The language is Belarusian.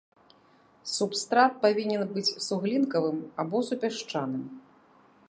Субстрат павінен быць суглінкавым або супясчаным.